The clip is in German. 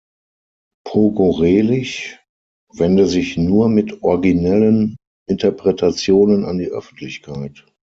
Pogorelich wende „sich nur mit originellen Interpretationen an die Öffentlichkeit“.